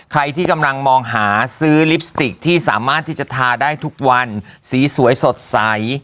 ใครที่กำลังมองหาซื้อลิปสติกที่สามารถที่จะทาได้ทุกวันสีสวยสดใส